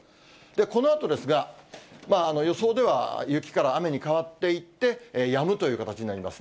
このあとですが、予想では雪から雨に変わっていってやむという形になりますね。